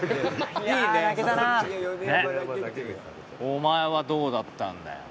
お前はどうだったんだよ。